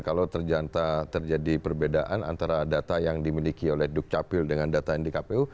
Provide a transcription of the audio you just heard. kalau terjadi perbedaan antara data yang dimiliki oleh dukcapil dengan data yang di kpu